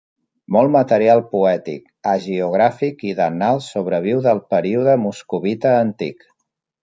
Molt material poètic, hagiogràfic i d'annals sobreviu del període moscovita antic.